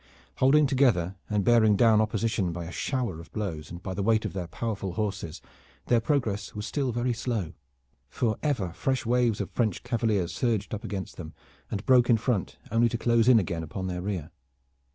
Holding together and bearing down opposition by a shower of blows and by the weight of their powerful horses, their progress was still very slow, for ever fresh waves of French cavaliers surged up against them and broke in front only to close in again upon their rear.